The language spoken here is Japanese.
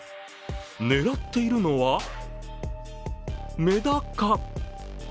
狙っているのはメダカ。